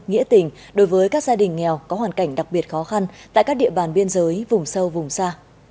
nghĩa tình đối với các gia đình nghèo có hoàn cảnh đặc biệt khó khăn tại các địa bàn biên giới vùng sâu vùng xa